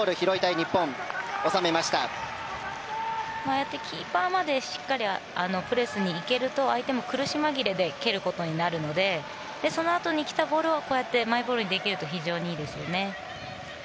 ああやってキーパーまでしっかりプレスに行けると相手も苦し紛れで蹴ることになってそのあとに来たボールをマイボールにできると非常にいいですよね。